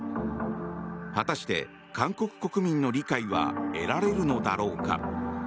果たして、韓国国民の理解は得られるのだろうか。